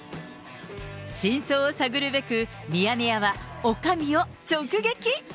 真相を探るべく、ミヤネ屋はおかみを直撃。